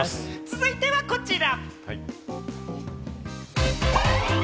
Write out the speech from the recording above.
続いてはこちら。